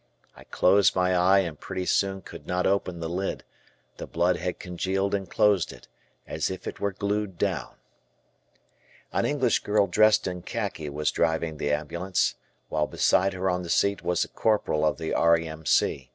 I closed my eye and pretty soon could not open the lid; the blood had congealed and closed it, as if it were glued down. An English girl dressed in khaki was driving the ambulance, while beside her on the seat was a Corporal of the R.A.M.C.